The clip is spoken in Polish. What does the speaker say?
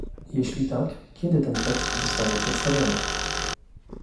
Jeśli tak, kiedy ten tekst zostanie przedstawiony?